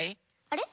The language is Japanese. あれ？